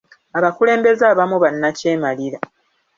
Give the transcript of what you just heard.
Abakulembeze abamu bannakyemalira.